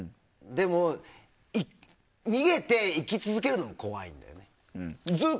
でも、逃げて生き続けるのも怖い。